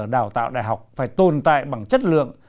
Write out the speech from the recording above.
đào tạo đại học phải tồn tại bằng chất lượng